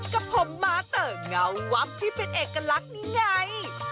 กับผมม้าเตอร์เงาวับที่เป็นเอกลักษณ์นี่ไง